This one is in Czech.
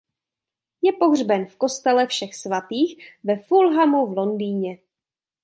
Je pohřben v Kostele všech svatých ve Fulhamu v Londýně.